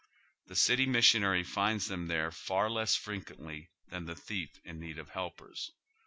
The City Missionary finds them there far less frequently than the thief in need of helpers.